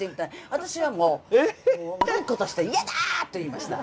私はもう断固として「嫌だ！」と言いました。